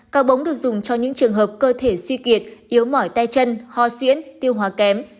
cá bống được dùng cho những trường hợp cơ thể suy kiệt yếu mỏi tay chân ho suyễn tiêu hóa kém